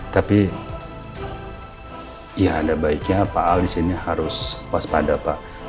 tapi ya ada baiknya pak al di sini harus waspada pak